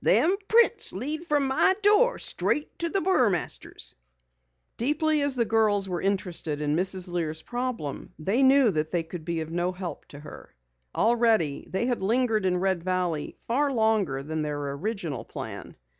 Them prints lead from my door straight toward the Burmasters!" Deeply as were the girls interested in Mrs. Lear's problem, they knew that they could be of no help to her. Already they had lingered in Red Valley far longer than their original plan.